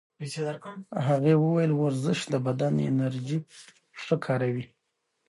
هغې وویل ورزش د بدن انرژي ښه کاروي.